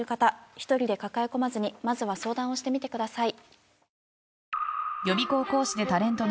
一人で抱え込まずにまずは相談をしてみてください。